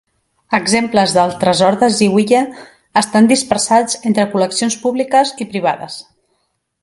Exemples del "tresor de Ziwiye" estan dispersats entre col·leccions públiques i privades.